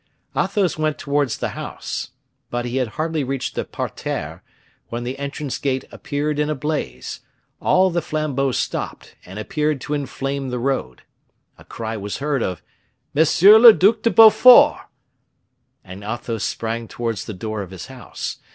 Athos went towards the house; but he had hardly reached the parterre, when the entrance gate appeared in a blaze; all the flambeaux stopped and appeared to enflame the road. A cry was heard of "M. le Duc de Beaufort" and Athos sprang towards the door of his house.